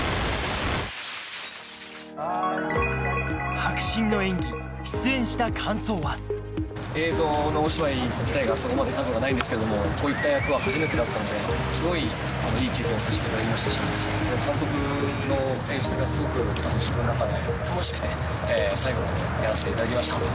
迫真の演技映像のお芝居自体がそこまで数がないんですけどもこういった役は初めてだったのですごいいい経験をさせていただきましたし監督の演出がすごく自分の中で楽しくて最後までやらせていただきました